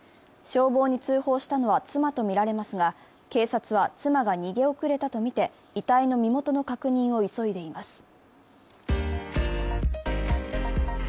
消防に通報したのは妻とみられますが、警察は、妻が逃げ遅れたとみて、遺体の身元の確認を急いでいます。